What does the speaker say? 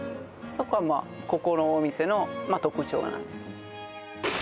そこはここのお店の特徴なんです